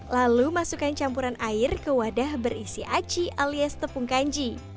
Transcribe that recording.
lalu masukkan campuran air ke wadah berisi aci alias tepung kanji